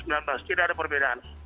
tidak ada perbedaan